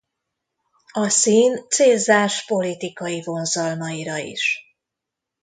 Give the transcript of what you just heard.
A szín célzás politikai vonzalmaira is.